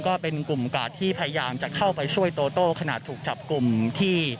ก็เป็นกลุ่มกาดที่พยายามจะเข้าไปช่วยโตโต้ขนาดถูกจับกลุ่มที่